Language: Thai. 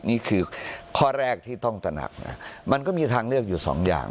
นี่คือข้อแรกที่ต้องตระหนักนะมันก็มีทางเลือกอยู่สองอย่าง